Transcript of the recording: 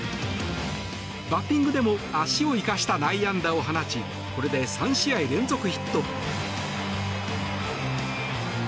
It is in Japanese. バッティングでも足を生かした内野安打を放ちこれで３試合連続ヒット。